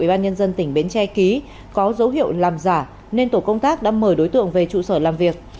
ubnd tỉnh bến tre ký có dấu hiệu làm giả nên tổ công tác đã mời đối tượng về trụ sở làm việc